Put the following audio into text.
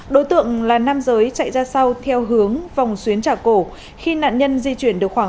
đối tượng là nam giới chạy ra sau theo hướng vòng xuyến trả cổ khi nạn nhân di chuyển được khoảng